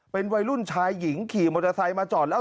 เป็นวัยรุ่นชายหญิงขี่มอเตอร์ไซค์มาจอดแล้ว